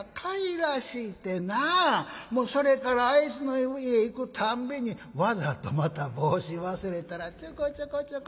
それからあいつの家行くたんびにわざとまた帽子忘れたらちょこちょこちょこ。